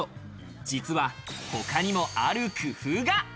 実は他にもある工夫が。